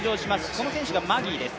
この選手がマギーです。